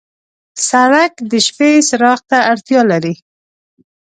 سړک د شپې څراغ ته اړتیا لري.